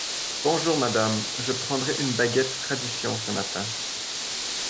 Bonjour madame, je prendrai une baguette tradition ce matin.